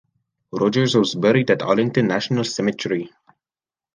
Rogers was buried in Arlington National Cemetery.